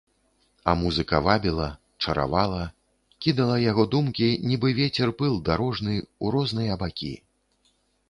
А музыка вабіла, чаравала, кідала яго думкі, нібы вецер пыл дарожны, у розныя бакі.